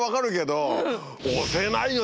押せないよ